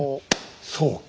そうか。